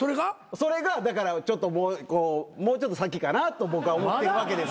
それがもうちょっと先かなと僕は思ってるわけです。